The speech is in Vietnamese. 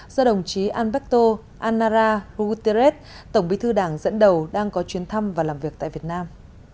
do đồng chí alberto anara guterres tổng bí thư đảng dẫn đầu đang có chuyến thăm và làm việc tại việt nam